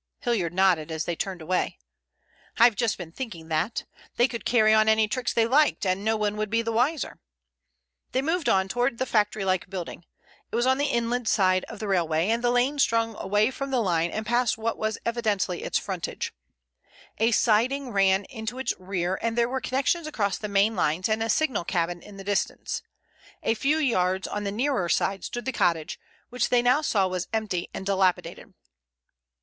Hilliard nodded as they turned away. "I've just been thinking that. They could carry on any tricks they liked there and no one would be a bit the wiser." They moved on towards the factory like building. It was on the inland side of the railway, and the lane swung away from the line and passed what was evidently its frontage. A siding ran into its rear, and there were connections across the main lines and a signal cabin in the distance. A few yards on the nearer side stood the cottage, which they now saw was empty and dilapidated.